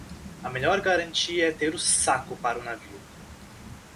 A melhor garantia é ter o saco para o navio.